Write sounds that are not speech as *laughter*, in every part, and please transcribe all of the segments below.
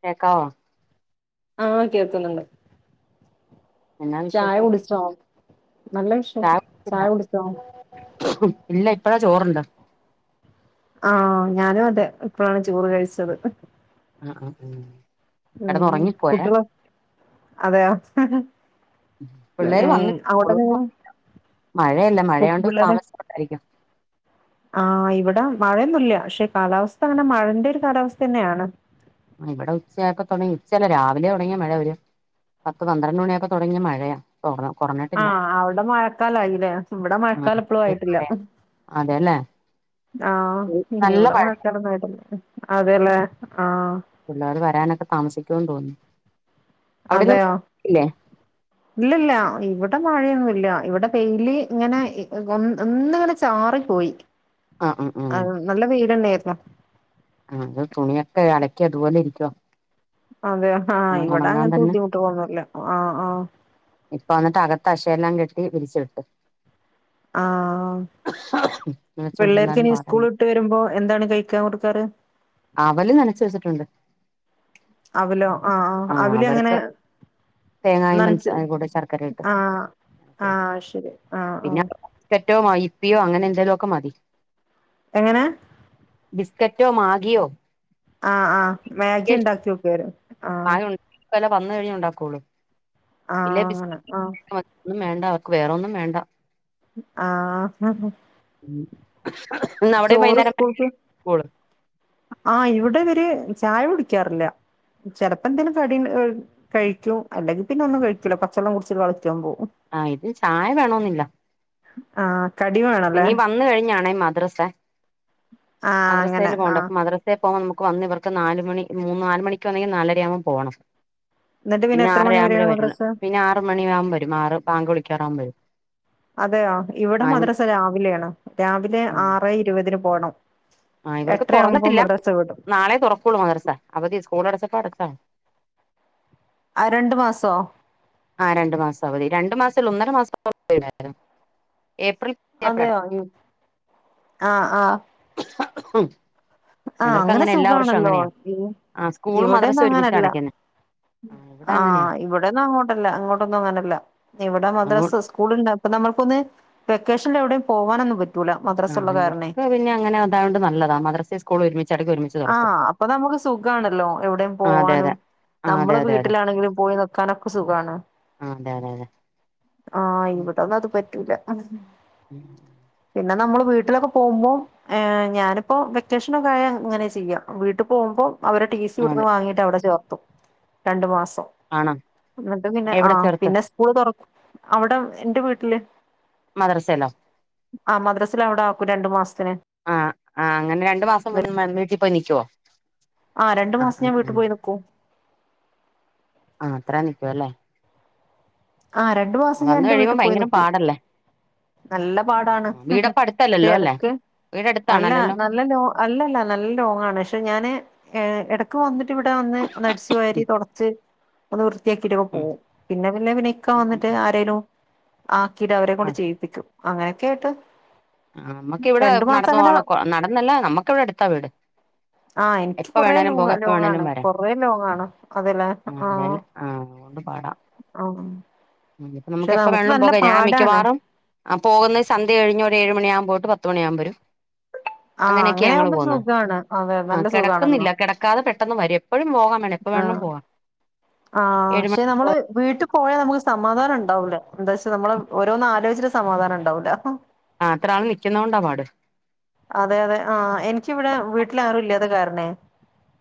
കേക്കാവോ? ആ കേൾക്കുന്നുണ്ട്. എന്നാ ചായ വിശേഷം കുടിച്ചോ? നല്ല വിശേഷം, ചായ കുടിച്ചോ? ഇല്ല ഇപ്പഴാ ചോറുണ്ട. ആ ഞാനും അതെ ഇപ്പോഴാണ് ചോറ് കഴിച്ചത്. ഉം ഉം ഉം ഉം കിടന്നുറങ്ങിപ്പോയേ കുട്ടികളോ അതെയോ. പിള്ളേര് ഏ വന്നി അവിടെ മോളൂസ് മഴയല്ലേ *unintelligible* മഴയോണ്ട് പിള്ളേരെ താമസിച്ചുണ്ടായിരിക്കും ആ ഇവിട മഴയൊന്നു ഇല്ല്യാ. പക്ഷെ കാലാവസ്ഥ അങ്ങനെ മഴന്റെ ഒരു കാലാവസ്ഥ തന്നെയാണ്. ഇവിടെ ഉച്ചയായപ്പോൾ തുടങ്ങി. ഉച്ചയല്ല, രാവിലെ തുടങ്ങിയ മഴ ഒരു പത്ത് പന്ത്രണ്ട് മണിയായപ്പോൾ തുടങ്ങിയ മഴയാ കൊറ കൊറഞ്ഞിട്ടില്ല ആഹ അവിടെ മഴക്കാല ആയില്ലേ. ഇവിടെ മഴക്കാല എപ്പോഴും നല്ല ആയിട്ടില്ല. മഴയാ അതെല്ലേ ആഹ നല്ല ഇവിടെ മഴ മഴക്കാലൊന്നും ആയിട്ടില്ല അതെയല്ലേ. പിള്ളേർ വരാനൊക്കെ താമസിക്കേന്ന് തോന്നുന്നു അവിടെന്നും അതെയോ ഇല്ലേ ഇല്ലല്ല ഇവിടെ. ഇവിടെ മഴയൊന്നുമില്ല. ഇവിടെ പെയില് ഇങ്ങനെ ഒന്നിങ്ങനെ ചാറി പോയി. ആഹ് ഉം ആ നല്ല വീടെന്ന. ആ ആ അത് തുണിയൊക്കെ അലക്കി അതുപോലെ ഇരിക്കുവോ. അതെ ആഹ് ഇവിടെ അങ്ങനത്തെ ബുദ്ധിമുട്ട് തോന്നൂല ആ ആഹ. ഇപ്പൊ വന്നിട്ട് അകത്ത് അക്ഷയെല്ലാം കെട്ടി വിരിച്ചിട്ടു ആഹ്‌ വെച്ചോണ്ടിരുന്നാലും പിള്ളേർക്കിനി പാടല്ലേ സ്കൂള് വിട്ട് വരുമ്പോ എന്താണ് കഴിക്കാൻ കൊടുക്കാറ് അവല് നനച്ച് വെച്ചിട്ടുണ്ട് അവലോ ആ ആ അവലെങ്ങനെ തേങ്ങായും നനച്ച് പഞ്ചസാരയും കൂടെ ശർക്കര ഇട്ട് ആ നനച്ച് ആ ശരി ആ ആ റ്റോ *unintelligible* അങ്ങനെ എന്തേലുമൊക്കെ മതി എങ്ങനേ ബിസ്‌ക്കറ്റോ മാഗിയോ ആ ആഹ് മാഗി ഇണ്ടാക്കി വെക്കുവാരുന്ന് ആ *unintelligible* വന്ന് കഴിഞ്ഞ് ഉണ്ടാക്കൂള്ളൂ ഇല്ലേ ആഹ് അങ്ങനെ ആഹ് ബിസ്ക്കറ്റ് ഒന്നും വേ അവർക്ക് വേറൊന്നും വേണ്ട ആ ആ ഇന്ന് അവിടെയും ചോറ് വൈകുന്നേരം സ്കൂൾക്ക് സ്കൂള് ആ ഇവിടെ ഇവര് ചായ കുടിക്കാറില്ല ചെലപ്പന്തേലും കടി ഏഹ് കഴിക്കും അല്ലെങ്കി പിന്നെ ഒന്നും കഴിക്കൂല്ല പച്ചവെള്ളം കുടിച്ചിട്ട് കളിക്കാൻ പോകും ആ ഇത് ചായ വേണോന്നില്ല ആ പിന്നെ ഈ വന്ന് കഴിഞ്ഞാണേ മദ് ദ്രസ ആഹ് അങ്ങനെ മദ്രസയിൽ പോവണ്ടെ ആഹ് അപ്പൊ മദ്രാസെ പ്പൊ നമക്ക് വന്ന് ഇവർക്ക് നാല് മണി മൂന്ന് നാല് മണിക്ക് വന്നു കയിഞ്ഞാ നാലരയാവുമ്പ പോണം എന്നിട്ട് പിന്നെ എത്ര ആറര മണി ആവുമ്പഴേ വരെയാണ് വരുള്ളൂ മദ്രസ പിന്നെ ആറ് മണിയാവുമ്പ വരും ആറ് ബാങ്ക് വിളി *unintelligible* വരും അതെയോ ഇവടെ ആ മദ്രസ രാവ് വിലെയാണ് രാവിലെ ആ ആറെ ഇരുപതിന് പോണം ആ ഇവർക്ക് എട്ടരയാവുമ്പോ തുറന്നട്ടില്ല മദ്രസ വിടും നാളെ തുറക്കുള്ളൂ മദ്രസ്സ അവധിയ സ്കൂള് അടച്ചപ്പ അടച്ചതാണ് ആ രണ്ടു മാസോ ആ രണ്ടു മാസം അവധി രണ്ടു മാസൊള്ളു ഒന്നര മാസം *unintelligible* അതെയോ *unintelligible* ആ ആ ഉം ആ ഇവർക്ക് അങ്ങനെ എല്ലാ വർഷവും സുഖാണല്ലോ അങ്ങനെയാ പി ആ സ്കൂളും മദ്രസ ഇവിടെയൊന്നും ഒരുമിച്ച് അങ്ങനെയല്ല അടയ്ക്കുന്നെ ഇവിടെ ആ അങ്ങനെയാ ഇവിടെയൊന്നും അങ്ങോട്ടല്ല അങ്ങോട്ടൊന്നും ഇങ്ങനെയല്ല ഇവിടെ അതുകൊ മദ്രസ്സ സ്കൂള് ഇണ്ട അപ്പൊ നമ്മൾക്കൊന്ന് വെക്കേഷനില് എവിടെയും പോവാനൊന്നും പ ആ ഇവർക്ക് പിന്നെ അങ്ങനെ അതായൊണ്ട് നല്ലതാ മദ്രസയും സ് ആ അപ്പൊ അത് നമുക്ക് സുഖാണല്ലോ എവിടെയും ആ അതെ പോവാനും അതെ ആ അതെ നമ്മള് അതെ അതെ വീട്ടിലാണെങ്കിലും പോയി നിക്കാനൊക്കെ സുഖവാണ് ആ അതെ അതെ അതെ ആ ഇവിടന്നത് പറ്റി റ്റൂല്ല *inaudible* ന്നെ നമ്മൾ വീട്ടിലൊക്കെ പോകുമ്പോ ഞാനിപ്പോ വെ ക്കേഷനൊക്കായ ഇങ്ങനെ ചെയ്യാ വീട്ടിപോകുമ്പോ അവരരെ ടി സി ഇവിടെന്ന് അതെ വാങ്ങിട്ട് അവടേ ചേർ രണ്ട് മാസം ആണോ ന്നിട്ട് പിന്നെ എവിടെ ആഹ് ചേർത്ത് പിന്നെ സ്കൂള് തുറ അവടെ എന്റെ വീട്ടില്. മദ്രസേല്ലോ ആ മദ്രസ് ല് അവിടെ ആക്കും രണ്ടു മാസത്തിന്. ആഹ് ആഹ് അങ്ങനെ രണ്ടു മാസം മുന്നേ മര *unintelligible* വീട്ടി പോയി നിക്കോ ആഹ് രണ്ടു മാസം ഞാൻ വീട്ടു പോയി നിക്കും. ആഹ് അത്രം നിക്കുവല്ലേ? ആ രണ്ടു മാസം ഞാൻ വന്ന് ന്റെ കഴിയുമ്പോ വീട്ടിൽ പോയി ഭയങ്കര നിക്കും പാടല്ലേ നല്ല ആ പാടാണ്. ആ വീടപ്പ ക്ഷെ അടുത്തല്ലല്ലോ അല്ലേ എടക്ക് വീട് അല്ല അടുത്താണല്ലല്ലോ നല്ല ലോ അല്ലല്ല നല്ല ലോങ്ങാണ്. പക്ഷെ ഞാന് ഏ എട ക്ക് വന്നി ഇവിടെ വന്ന് ഒന്നടിച്ചുവാരി ഉം തുടച്ച് ഒന്ന് വൃത്തിയാക്കിട്ടൊക്കെ ഉം പോകും. പിന്നെ പിന്നെ ഇക്ക ഉം വന്നിട്ട് ഉം. ആരേലും ആഹ് ക്കിത് അവരെ കൊണ്ട് ചെയ്യും അങ്ങനെയൊക്കൊയിട്ട് ആഹ് നമ്മക്ക് ഇവിടെ നടന്നോവാള്ള നടന്നല്ല നമ്മുക്ക് ഇവിടെടുത്താ വീട്. ആ എനിക്ക് എപ്പ കൊറേ ലോ വേണേലും പോക എപ്പ വേണേലും ലോങ്ങാണ് വരാ കൊറേ ലോങ്ങാണ് അ അതെന്നെ ആഹ് നിപ്പോ നമുക്കപ്പവേണേലും പോക. ഞാന് മിക്കവാറും പോകുന്നെ സന്ധ്യ കഴിഞ് ഒരു ഏഴ്മണിആവുമ്പോട്ട് പത്ത് മണിയകുമ്പോരും. ആ അങ്ങനെയൊക്കെ അങ്ങനെ ഞങ്ങള് ആകുമ്പോ പോക്ന്നെ സുഖാണ് അതെ ആ നല്ല സുഖാണല്ലോ കെടക്കുന്നില്ല കെടക്കാതെ പെട്ടെന്ന് വരും എപ്പോഴും പോകാൻ വേണം എപ്പ വേണേലും ആഹ് പോകാം ആഹ് ഏഴ് പക്ഷെ മണി നമ്മള് വീട്ടി പോയാൽ നമുക്ക് സമാധാനം ഉണ്ടാവില്ല ന്താച്ചാ നമ്മള് ഓരോന്നും ആലോചിട്ട് സമാധാനം ഉണ്ടാവില്ല. അത്രആള് നിക്കുന്നത കൊണ്ടാ പാട്. അതെ അതെ ആഹ് എനിക്കിവിടെ വീട്ടിൽ ആരും ഇല്ല്യ ത് കാരണേ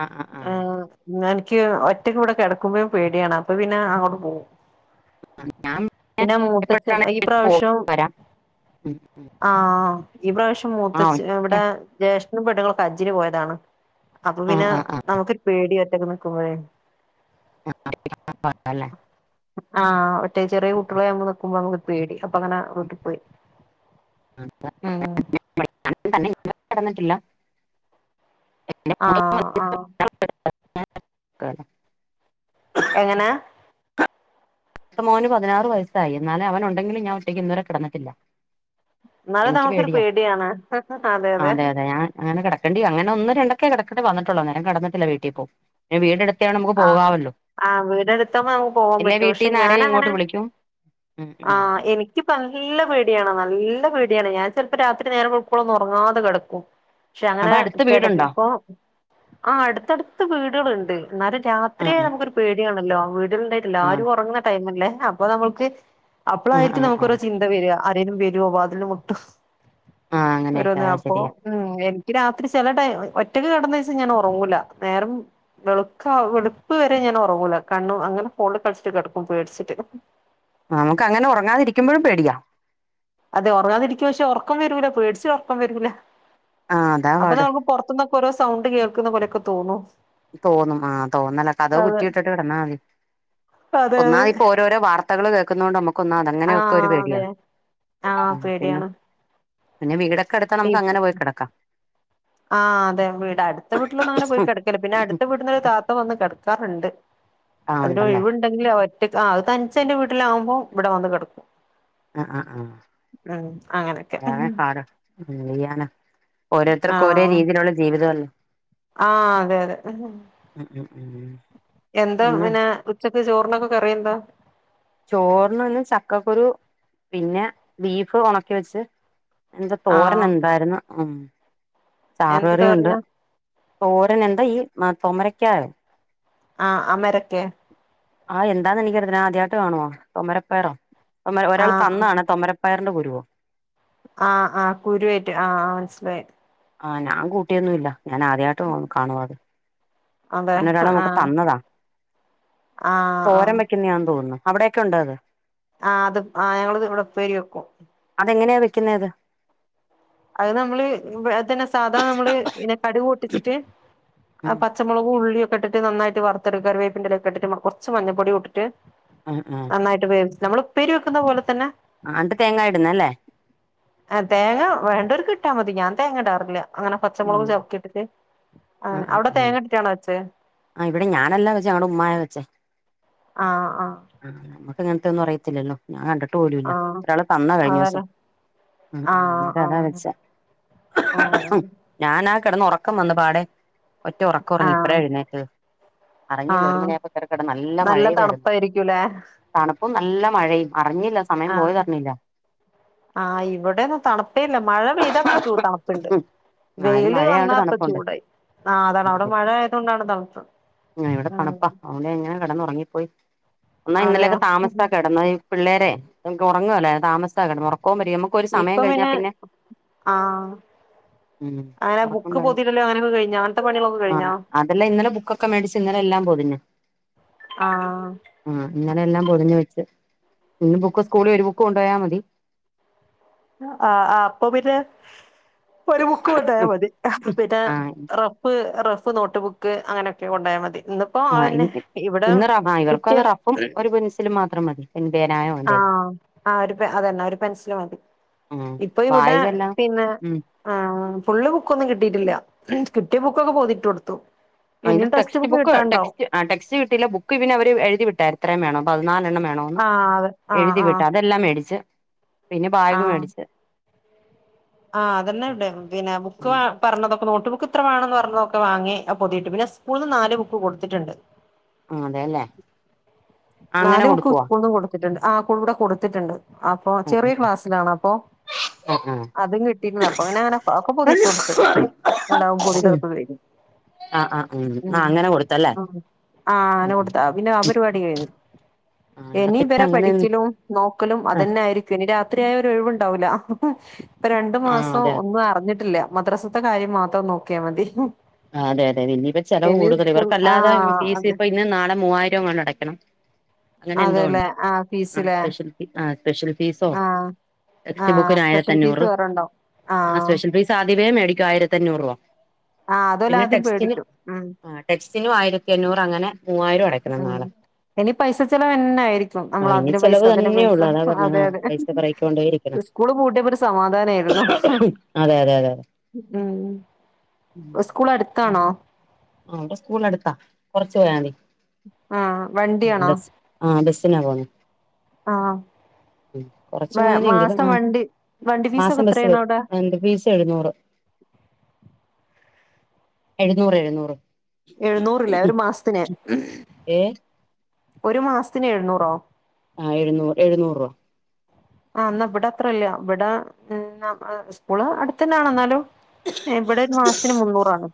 ആ ആ ആ ആഹ് ന്നാന്ക്ക് ക്ക് ഒറ്റക്ക് ഇവടെ കിടക്കുമ്പോഴും പേടിയാണ് അപ്പൊ പിന്നെ അങ്ങോട്ട് പോകും. ഞാൻ പിന്നെ മൂത്തച്ചൻ ഈ എപ്പോഴാണേലും പോയി പ്രാവശ്യം വരാം ഉം ആഹ് ഈ പ്രാവശ്യം മോ ആ ത്തച്ചി ഒറ്റ ഇവിടെ ജേഷ് *unintelligible* ഹജ്ജിന് പോയതാണ് അപ്പൊ ആ പിന്നെ ആ ആ നമുക്കൊരു പേടി *unintelligible* *inaudible* ആ ചെറിയ കുട്ടികളെ നമ്മള് *unintelligible* പേടി അപ്പൊ അങ്ങനെ റോട്ടിൽ പോയി ഉം ആ തന്നെ ഇവിടെ കെടന്നിട്ടില്ല ആ ആ *inaudible* എങ്ങന മൂത്ത മോന് പതിനാറ് വയസ്സായി എന്നാലും അവൻ ഉണ്ടെങ്കിലും ഞാൻ ഒറ്റക്ക് ഇന്ന് വരെ കിടന്നട്ടില്ല എന്നാലും എനിക്ക് നമുക്കൊരു പേടിയാ പേടിയാണ് അതെ അതെ ഞാൻ അങ്ങനെ കിടക്കേണ്ടി അങ്ങനെ ഒന്ന് രണ്ട് *unintelligible* നേരം കിന്നട്ടില്ല വീട്ടിൽ പോവും വീടടു ആ ആ വീടടുത്തമ്പം നമക്ക് പോവാൻ പറ്റും ഷ് വീട്ടിന്ന് ആരേലും ഇങ്ങോട്ട് വിളിക്കും ഉം ആ ഉം എനിക്കിപ്പ നല്ല പേടിയാണ് നല്ല പേടി ഞാൻ ചിലപ്പോ രാത്രി നേരം വെളുക്കുവോളം ഉറങ്ങാതെ കെടക്കും പക്ഷെ അങ്ങനെ അപ്പൊ അടുത്ത് കിടക്ക് വീടുണ്ടോ ഇപ്പൊ ആ അടുത്തടുത്ത് വീടുകളുണ്ട് എന്നാലും ആ രാത്രിയ ആ നമുക്കൊരു പേടിയാണല്ലോ ആ വീടുകള ഉണ്ടായിട്ടില്ല ആ ആരും അതെ ഉറങ്ങുന്ന ടൈം അല്ലേ അപ്പൊ നമ്മുക്ക് ആ ആ അപ്പളായിരിക്കും ആ നമുക്കൊരോ ചിന്ത വരിക ആരേലും വരുവോ വാതില് മുട്ടുവോ ആ അങ്ങനെയൊക്കെ ഒരോന്ന് അത് അപ്പേ ശരിയാ മ് ഏ രാത്രി ചില ടൈ ഒറ്റക്ക് കിടന്ന ദിവസം ഞാൻ ഉറങ്ങൂല നേരം വെളുക്കാ വെളുപ്പ് വരെ ഞാൻ ഉറങ്ങൂല്ല കണ്ണും അങ്ങനെ പോളുംകളിച്ചിട്ട് കിടക്കും പേടിച്ചിട്ട് നമുക്ക് അങ്ങനെ ഉറങ്ങാതിരിക്കുമ്പോഴും പേടിയാ അതെ ഉറങ്ങാതിരിക്കുവ പക്ഷെ ഉറക്കം വരൂല പേടിച്ചിട്ട് ഉറക്കം വരൂല ആ അതാ അപ്പൊ പാട് നമുക്ക് പുറത്തുന്നൊക്കെ ഓരോ സൗണ്ട് കേ *unintelligible* പോലെയൊക്കെ തോനു തോന്നും ആ തോന്നല്ല കതവ് കുറ്റി ഇട്ടിട്ട് കെടന്നാ മതി അതെ അതെ ഒന്നാമതി ഇപ്പൊ ഓരോരോ വാർത്തകൾ കേൾക്കുന്ന കൊണ്ട് നമു അങ്ങനെയൊക്കെ ഒരു ആഹ് പേടിയാ അതെ ആഹ് ആ പിന്നോ പിന്നെ വീട ആ അതെ വീട് അടുത്ത വീട്ടിലന്നാണെ പോയി കിടക്ക പിന്നെ അടുത്ത വീട്ട്ന്ന് ഒരു താത്ത വന്ന്ന് കിടക്കാറ്ണ്ട് ആ അതിന് ഉണ്ടല്ലേ ഒഴിവുണ്ടെങ്കിലൊ അത് തൻച്ച് അയ്ന്റെ വീട്ടിലാവുമ്പം ഇവിടെ വന്ന് കിടക്കും ആ ആ ആ ഉം അങ്ങനെയൊക്കെ അതാണ് സാട യാന ഓരോരുത്തർക്കും ഓരോ രീതിയിലുള്ള ജീവിത ചല ആ അതെ അതെ ഉം ഉം ഉം എന്താ പിന്നെ ഉച്ചക്ക് ചോറിനൊക്കെ കറി എന്താ ചോറിന് വന്ന് ചക്കക്കുരു പിന്നെ ബീഫ് ഉണക്കി വെച്ച് എന്റെ തോരൻ ആഹ് എന്തായിരുന്നു ഉം ചാറ് എന്ത് കറിഉണ്ട് തോരനാ തോരൻ എന്താ ഈ തൊമരക്ക ആ അമരക്കെ ആ എന്താന്ന് അറിയത്തി ഞാ ആദ്യാ ട്ട് കാണുവോ തൊമരപ്പയറോ ഒരാൾ തന്നാണ് തൊമരപ്പറിന്റെ പു ആ ആ കുരുവേറ്റ് ആ മനസ്സിലായി ആഹ് ഞാൻ കൂട്ടിയൊന്നും ഇല്ല ഞാൻ ആദ്യമായിട്ട് കാണുവാത് അതെ അന്നെരാള് ആഹ് നമക്ക ആഹ് തന്നതാ ആഹ് തോരം വയ്ക്കുന്ന യാ തോന്നുന്നു അവിടെൊക്കെ ഉണ്ട അത് ആ അത് ആ ഞങ്ങള് ഇവിടെ ഉപ്പേരി വെക്കും എങ്ങനെയാ വെക്കുന്നത് അത് നമ്മള് അതന്നെ സാധാരണ നമ്മള് പിന്നെ കടുക്പൊട്ടിച്ചിട്ട് ആ ഉം പച്ചമുളകു ഉള്ളി ക്കെ ട്ടിട്ട്നന്നായിട്ട് വറുത്തെടുക്ക കറിവേപ്പിന്റെല ഒക്ക ഇട്ട് കുറച്ച് മഞ്ഞപ്പൊടി ഇട്ട്ട്ട് ആഹ് ആഹ് നന്നായിട്ട് പേ നമ്മൾ ഉപ്പേരി വെക്കുന്ന പോലെ തന്നെ ആണ്ട് തേങ്ങായിടുന്നല്ലേ വേണ്ടൊർക്ക് ഇട്ടാൽ മതി ഞാൻ തേങ്ങ ഇടാറില്ല അങ്ങനെ പച്ചമുളകും ചവക്കിയിട്ടിട്ട് ആ അങ്ങനെ ആ അവിടെ ആ തേങ്ങ ഇട്ടിട്ടാണോ വെച്ചേ ആ ഇവിടെ ഞാനല്ലാ വെച്ച ഞങ്ങടെ ഉമ്മായെ വെച്ചേ ആ ആ അങ്ങനത്തെന്നും അറിയത്തില്ലല്ലോ ഞാൻ കണ്ടിട്ടി ട്ടു പോലുമില്ല ആഹ് ഒരാള് തന്ന കഴിഞ്ഞ ദിവസം അതന്നെ ആ ആഹ് അന്നേരം അതാ ആഹ് വെച്ചേ ആഹ് ഞാനാ കേടന്ന് ഒറക്കം വന്ന പാടെ ഒറ്റ ഉറക്കം ഉറങ്ങി ഇപ്പഴ ആഹ് എഴുന്നേറ്റത് അറിഞ്ഞില്ല ഒരു ആഹ് മണിയായപ്പം കേറികെടന്ന് നല്ല മഴെയും ആരുന്നു ഇപ്പ നല്ല മഴയും അറിഞ്ഞില്ല സമയം ആ പോയത് അറിഞ്ഞില്ല ആ ഇവിടെ തണുപ്പേല്ല മഴ പെയ്താ ചൂ തണുപ്പുണ്ട് ഉം ആഹ് ഇത് വെയില് മഴയായോണ്ട് വന്നാപ്പാ തണുപ്പുണ്ട് ചൂടായി ആ അതാണ് അവിടെ മഴ ആയതൊണ്ടാണ് തണുപ്പ് ആ ഉറങ്ങിപ്പോയി എന്നാൽ ഇന്നലെയൊക്കെ താമസിച്ചാ കെടന്നത് പിള്ളേരെ നമക്ക് ഉറങ്ങുവല്ലേ താമസിച്ചാ കിടന്നോറക്കം ഇപ്പൊ പിന്നെ ആ ഉം അങ്ങനെ ഉറക്കം ബുക്ക് വരും പൊതിലല്ലേ ആ അതെല്ലാം ഇന്നലെ ബുക്കൊക്കെ മേടിച്ച് ഇന്നലെ എല്ലാം പൊതിഞ്ഞു ആ ഇന്നലെ എല്ലാം പൊതിഞ്ഞു വെച്ച് ഇന്ന് ബുക്ക് സ്കൂളിൽ ഒരു ബുക്ക് കൊണ്ടപോയാ മതി ആ ആ അപ്പൊ പിന്നെ ഒരു ബുക്ക് കൊണ്ടോയ മതി പിന്നെ ആ റഫ് റ ഫ് നോട്ട് ബുക്ക് അങ്ങനെഒക്കെ കൊണ്ടോയ മതി ഇന്നിപ്പോ ആ അതന്നെ ഇവിടെ ഇന്ന് റ ഇവർക്കും കിട്ടിയ അതെ റഫും ഒരു പെൻസിലും മാത്രം മതി പേനായോ ആ എന്തേലും ആ ഒരു അതന്നെ ഒരു പെൻസില് മതി ഉം ഇപ്പൊ ഇവിടെ വായികെല്ലാം പിന്നെ ഉം ആ ഫുള്ള് ബുക്കൊന്നും കിട്ടിയിട്ടില്ല കിട്ടിയ ബുക്കൊക്കെ പോതിട്ടു കൊടുത്തു അതിന്റെ ടെക്സ്റ്റ് ബുക്ക് ടെക്സ്റ്റ് ആ ടെസ്റ്റ്‌ കിട്ടിയില്ല ബുക്ക്‌ ഇന്നലെ അവര് എഴുതി വിട്ടാരുന്നു ഇത്രേം വേണം നാലെണ്ണം വേണോന്ന് ആ അതെ ആ എഴുതി ആ വിട്ട് അതെല്ലാം മേടിച്ച് പിന്നെ ആ ബാഗ് മേടിച്ച് ആ അതന്നെ ഇവിടേം പിന്നെ ബുക്ക് ഉം പറഞ്ഞതൊക്കെ നോട്ടു ബു ബുക്ക് ഇത്ര വേണോന്ന് പറഞ്ഞതൊക്ക വാങ്ങി പൊതിയിട്ട് പിന്നെ സ്കൂളിന്ന് നാല് ബുക്ക് കൊടുത്തിട്ടുണ്ട് ആ അതെല്ലേ അങ്ങനെ നാല് ബുക്ക് കൊടുക്കുവാ സ്‌കൂൾന്നും ണ്ട് ആകൊണ്ട് കൊടുത്തിട്ട്ണ്ട് അപ്പൊ ഉം ചെറിയ ക്ലാസ്സിലാണോപ്പൊ ഉം ഉം അതും കിട്ടീര്ന്നു അപ്പൊ അങ്ങനെ അങ്ങനെ ഒക്കെ പൊതിട്ട് ആഹ് കൊടുത്ത് ആഹ് എല്ലാവും പൊതിട്ടു കഴിഞ്ഞു ആ ആ മ്മ് ഉം ആ അങ്ങനെ കൊടുത്തല്ലേ ആ ഉം അങ്ങനെ ഉം കൊടുത്ത് പിന്നെ അവര് വാടി ആഹ് ഇവിടെ ഇനി പിന്നെ ഇവരെ അങ്ങനെ പഠിച്ചിലും നോക്കലും ആഹ് അതന്നെ ആയിരിക്കും ഇനി ഇനി രാത്രിയായ ഒര് ഒഴിവുണ്ടാവൂല ഇപ്പ രണ്ടു ആഹ് മാസം അതെ ഒന്നും അറിഞ്ഞിട്ടില്ല മദ്രാസത്തെ കാര്യം മാത്രം നോക്കിയാ മതി അതെ അതെ ഇനിയിപ്പം ചെലവ് ഇനി കൂടുതൽ സ്കൂൾ ആ ഇവർക്കല്ലാതെ ഫീസ് അതെ ഇപ്പൊ ഇന്ന് നാളെ മൂവായിരമെങ്ങാണ്ട് അടയ്ക്കണം അങ്ങനെ എന്തോണ്ട് അതെല്ലേ ആ ആ ഫീസിലെ സ്പെഷയൽ ആ സ്പെഷ്യൽ ഫീസോ ആ ആ ടെക്സ്റ്റ് ബുക്ക് ആയിരത്ത സ്പെഷ്യൽ ഫീസ് അഞ്ഞൂറ് വേറെണ്ടാവും ആ സ്പെഷ്യൽ ഫീസ് പിന്നേം മേടിക്കും ആയിരത്തി അഞ്ഞൂറ് രൂപ ആ അതുപോലെ പിന്നെ ആദ്യം ടെക്സ്റ്റന് പേടിക്കും ഉം ആ ടെക്സ്റ്റിന ആയിര രത്തിഎഞ്ഞൂറ് അങ്ങനെ മൂവായിരം അടയ്ക്കണം മ്മ് നാളെ ഇനി പൈസ ചെലവ്ന്നെ ആയിരിക്കും നമ്മൾ ആഹ് ഇനി അതിന് പൈസ ചെലവ് ഇതിന് തന്നെ പൈസ ഉള്ളൂ അതാ പറഞ്ഞത് അതെ ആഹ് അതെ പൈസ പെറക്കിക്കൊണ്ടേ ഇരിക്കണം സ്കൂള് പൂട്ടിയപ്പോ ഒരു സമാധാനമായിരുന്നു അതെ അതെ അതെ അതെ മ്മ് സ്കൂള് അട കാണോ ആ അവന്റെ സ്കൂള് അടുത്താ കൊറച്ച് പോയാ ആഹ് വണ്ടിയാണോ മതി ആ ബസിനാ പോണെ ആഹ് കൊറച്ചു വ പോണെങ്കിലും മാസം ആ വണ്ടി വണ്ടി ഫീസൊക്കെ മാസം ബസ് എത്രയാണ് വരും അവിടെ എന്ത് ഫീസ് എഴുന്നൂറ് എഴുന്നൂറ് എഴുന്നൂറ് എഴുന്നൂറ് ല്ലെ ഒരു മാസത്തിന് ഏഹ് ഒരു മാസത്തിന് എഴുന്നൂറോ ആ എഴുന്നൂ എഴുന്നൂറ് രൂപ ആ എന്നാ ഇവിടെ അത്രല്ല ഇവിടെ സ്കൂള് അടുത്തനെണ് എന്നാലും ഇവിടെ ഒരു മാസത്തിന് മുന്നൂറാണ്